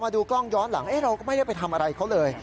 ดูกล้องย้อนหลังเราก็ไม่ได้ไปทำอะไรเขาเลย